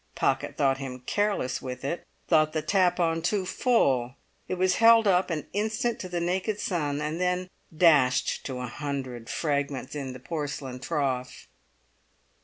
Pocket thought him careless with it, thought the tap on too full; it was held up an instant to the naked sun, and then dashed to a hundred fragments in the porcelain trough.